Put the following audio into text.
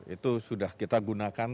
itu sudah kita gunakan